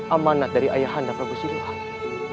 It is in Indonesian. amanat dari ayah anda prabu siliwara